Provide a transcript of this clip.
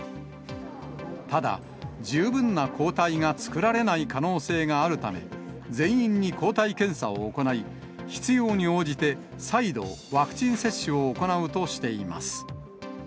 ただ、十分な抗体が作られない可能性があるため、全員に抗体検査を行い、必要に応じて、再度ワクチン接種を行うとしています。